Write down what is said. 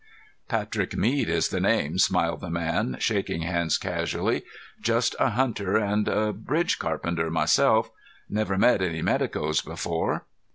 "Patrick Mead is the name," smiled the man, shaking hands casually. "Just a hunter and bridge carpenter myself. Never met any medicos before."